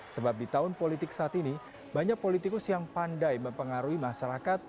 sebab di tahun politik saat ini banyak politikus yang pandai mempengaruhi masyarakat